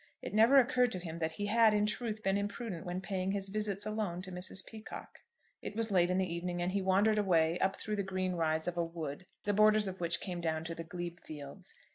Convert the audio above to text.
It never occurred to him that he had, in truth, been imprudent when paying his visits alone to Mrs. Peacocke. It was late in the evening, and he wandered away up through the green rides of a wood the borders of which came down to the glebe fields.